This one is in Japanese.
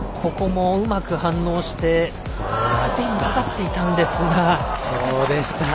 うまく反応してスピンがかかっていたんですが。